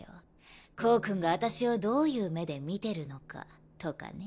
コウ君があたしをどういう目で見てるのかとかね。